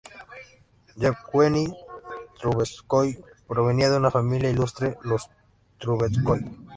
Yevgueni Trubetskói provenía de una familia ilustre, los Trubetskói.